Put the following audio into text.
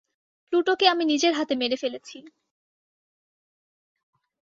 প্লুটোকে আমি নিজের হাতে মেরে ফেলেছি।